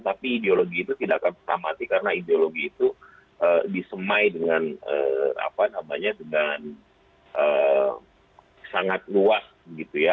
tapi ideologi itu tidak akan tersamati karena ideologi itu disemai dengan apa namanya dengan sangat luas gitu ya